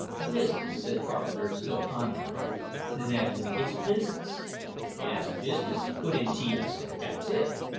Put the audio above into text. "Business," said Carpenter, still pondering. "Then it's business " "Yes, business " put in T S. "Dat's it!"